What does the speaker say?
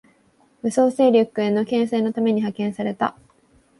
武装勢力への牽制のため派遣された